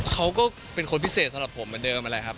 เขาก็เป็นคนพิเศษสำหรับผมเหมือนเดิมนั่นแหละครับ